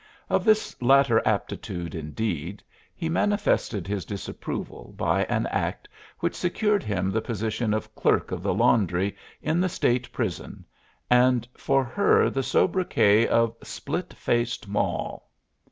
Of this latter aptitude, indeed, he manifested his disapproval by an act which secured him the position of clerk of the laundry in the State prison, and for her the sobriquet of "Split faced Moll."